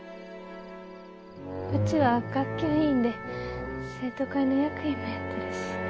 うちは学級委員で生徒会の役員もやってるし。